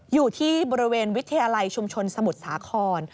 อยู่ที่บริเวณวิทยาลัยชุมชนสมุทรสาคร